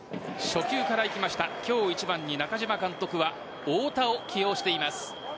初球から行きました今日、１番に中嶋監督は太田を起用しています。